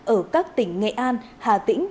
ở các tỉnh nghệ an hà tĩnh